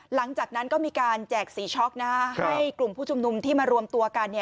หลังจากนั้นก็มีการแจกสีช็อกให้กลุ่มผู้ชุมนุมที่มารวมตัวกัน